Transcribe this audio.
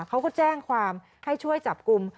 เขาก็แจ้งความให้ช่วยจับกลุ่ม